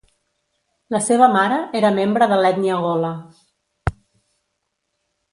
La seva mare era membre de l'ètnia gola.